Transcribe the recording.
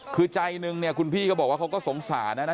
คือใจหนึ่งเนี่ยคุณพี่ก็บอกว่าเขาก็สงสารนะนะ